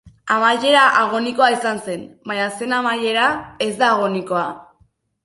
Amaiera agonikoa izan zen, baina zein amaiera ez da agonikoa.